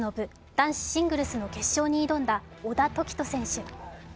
男子シングルスの決勝に挑んだ小田凱人選手。